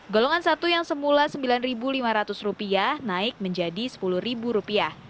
golongan satu yang semula rp sembilan lima ratus naik menjadi rp sepuluh